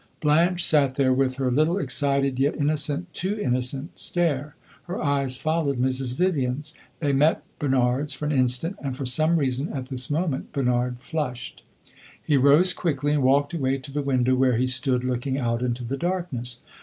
Blanche sat there with her little excited, yet innocent too innocent stare; her eyes followed Mrs. Vivian's. They met Bernard's for an instant, and for some reason, at this moment, Bernard flushed. He rose quickly and walked away to the window where he stood looking out into the darkness.